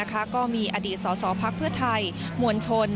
ก็มีอดีตสอภักดิ์เพื่อไทยมวลชน